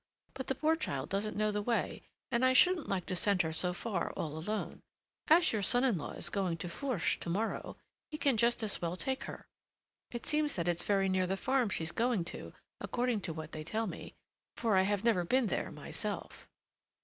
But the poor child doesn't know the way, and I shouldn't like to send her so far all alone. As your son in law is going to Fourche to morrow, he can just as well take her. It seems that it's very near the farm she's going to, according to what they tell me; for I have never been there myself."